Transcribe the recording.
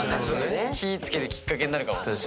・火付けるきっかけになるかも。